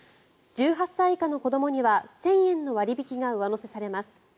１８歳以下の子どもには１０００円の割引が上乗せされます。